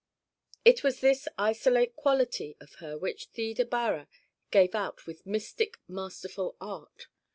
It was this isolate quality of her which Theda Bara gave out with mystic masterful art.